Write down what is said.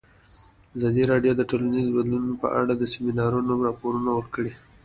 ازادي راډیو د ټولنیز بدلون په اړه د سیمینارونو راپورونه ورکړي.